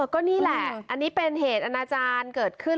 ก็นี่แหละอันนี้เป็นเหตุอนาจารย์เกิดขึ้น